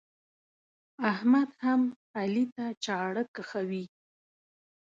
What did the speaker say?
احمد هم علي ته چاړه کښوي.